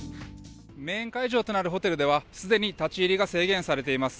メーン会場となるホテルでは既に立ち入りが制限されています。